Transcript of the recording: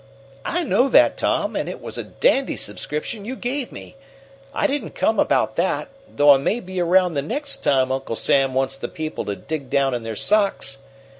"I know that, Tom, and it was a dandy subscription you gave me. I didn't come about that, though I may be around the next time Uncle Sam wants the people to dig down in their socks.